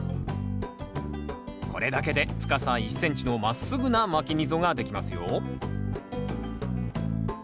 これだけで深さ１ｃｍのまっすぐなまき溝ができますよ